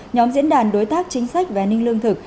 nhóm diễn đàn đối tác chính sách về an ninh lương thực